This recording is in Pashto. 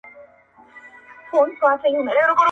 • په کيسه کي د لېوه سمبول هم ډېر مهم او ژور مفهوم لري,